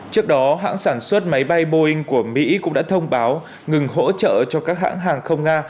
trước đó hãng sản xuất máy bay boeing của mỹ cũng đã thông báo ngừng hỗ trợ cho các hãng hàng không nga